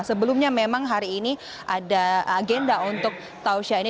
sebelumnya memang hari ini ada agenda untuk tausya ini